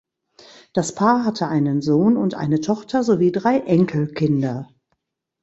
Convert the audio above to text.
Das Paar hatte einen Sohn und eine Tochter sowie drei Enkelkinder.